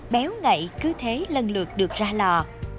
béo ngậy cứ thế lần lượt được ra lò